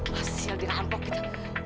masih dirampok kita